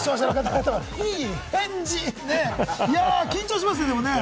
でも緊張しますね。